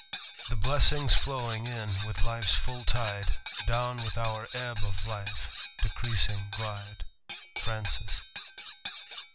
The \ ^higs flowing in with life's fall tide Dow*//th our ebb of life decreasing gfide." Francis.